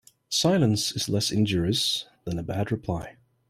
Silence is less injurious than a bad reply.